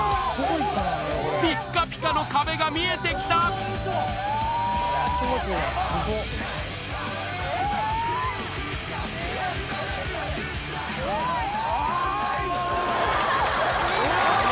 ピッカピカの壁が見えてきたすごい！